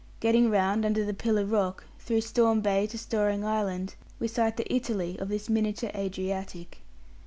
Getting round under the Pillar rock through Storm Bay to Storing Island, we sight the Italy of this miniature Adriatic.